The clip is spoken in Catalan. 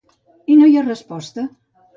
I no hi ha resposta.